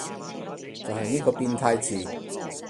就係呢個變態詞